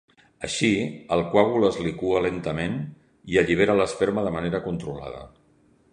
Així, el coàgul es liqua lentament i allibera l'esperma de manera controlada.